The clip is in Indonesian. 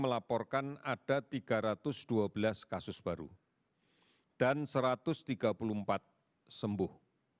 melaporkan ada tiga ratus dua belas kasus baru dan satu ratus tiga puluh empat sembuh